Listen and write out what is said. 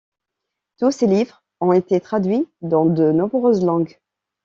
Tous ses livres ont été traduits dans de nombreuses langues.